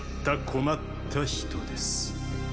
困った人です。